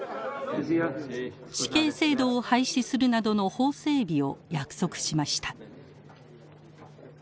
死刑制度を廃止するなどの法整備を約束しました。